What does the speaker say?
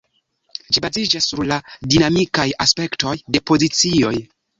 Ĝi baziĝas sur la dinamikaj aspektoj de pozicioj.